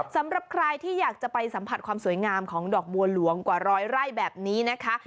สำหรับใครที่อยากจะไปสัมผัสความสวยงามของดอกบัวหลวงกว่าร้อยไร่แบบนี้นะคะ